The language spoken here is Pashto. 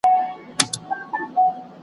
چړي حاکم سي پر بندیوان سي .